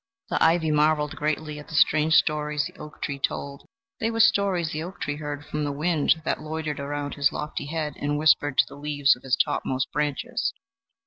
The ivy marvelled greatly at the strange stories the oak tree told; they were stories the oak tree heard from the wind that loitered about his lofty head and whispered to the leaves of his topmost branches.